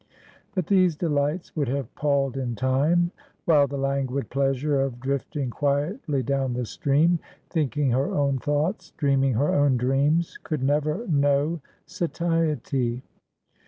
But these delights would have palled in time ; while the languid pleasure of drift ing quietly down the stream, thinking her own thoughts, dream ing her own dreams, could never know satiety.